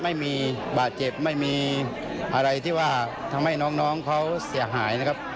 ไม่มีบาดเจ็บไม่มีอะไรที่ว่าทำให้น้องเขาเสียหายนะครับ